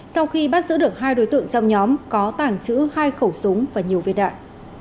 sau khi bắt giữ được hai đối tượng trong nhóm có tàng trữ hai khẩu súng và nhiều viên đạn